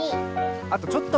あとちょっと。